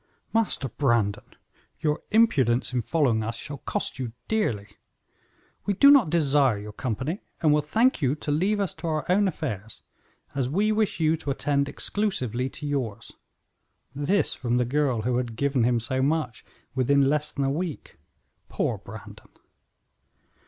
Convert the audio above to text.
"Master Brandon, your impudence in following us shall cost you dearly. We do not desire your company, and will thank you to leave us to our own affairs, as we wish you to attend exclusively to yours." This from the girl who had given him so much within less than a week! Poor Brandon!